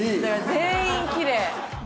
全員きれい。